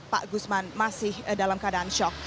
pak gusman masih dalam keadaan shock